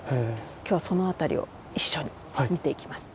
今日はそのあたりを一緒に見ていきます。